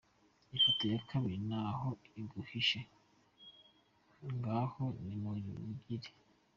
Ifoto ya kabiri ntaho iguhishe ngaho nimuribagire!